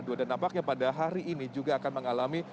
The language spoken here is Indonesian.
dan nampaknya pada hari ini juga akan mengalami